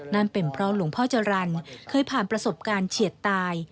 นั่นเป็นเพราะหลวงพ่อจรรย์เคยผ่านประสบการณ์เฉียดตาย